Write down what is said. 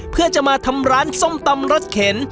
เพื่อจะมาทำร้านส้มตำรสเข็น